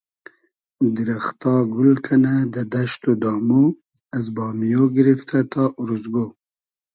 دیرئختا گول کئنۂ دۂ دئشت و دامۉ از بامیۉ گیریفتۂ تا اوروزگۉ